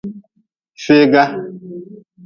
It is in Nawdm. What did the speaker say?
Feega.